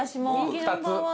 ２つ。